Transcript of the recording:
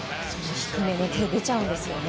低めに手が出ちゃうんですよね。